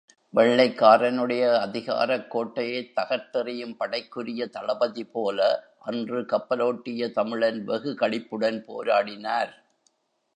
வெள்ளைக்காரனுடைய அதிகாரக் கோட்டையைத் தகர்த்தெறியும் படைக்குரிய தளபதி போல அன்று கப்பலோட்டிய தமிழன் வெகு களிப்புடன் போராடினார்.